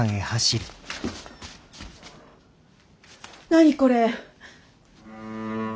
何これ？